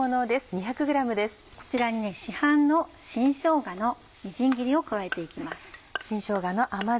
こちらに市販の新しょうがのみじん切りを加えて行きます。